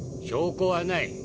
証拠はない。